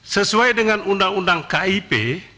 sesuai dengan undang undang kip